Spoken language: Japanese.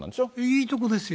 いいとこですよ。